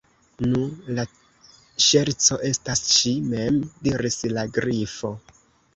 "Nu, la ŝerco estas ŝi_ mem," diris la Grifo.